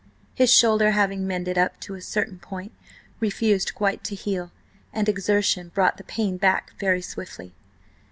His shoulder, having mended up to a certain point, refused quite to heal, and exertion brought the pain back very swiftly.